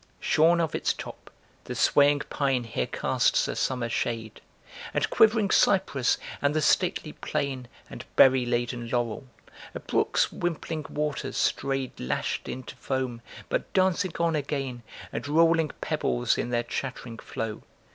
Shorn of its top, the swaying pine here casts a summer shade And quivering cypress, and the stately plane And berry laden laurel. A brook's wimpling waters strayed Lashed into foam, but dancing on again And rolling pebbles in their chattering flow.